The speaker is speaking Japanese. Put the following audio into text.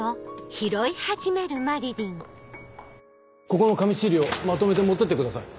ここの紙資料まとめて持ってってください